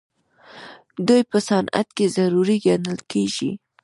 دوی په صنعت کې ضروري ګڼل کیږي.